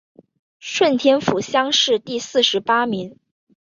顺天府乡试第四十八名。